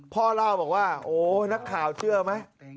พ่อเล่าบอกว่าโอ้นักข่าวเชื่อไหม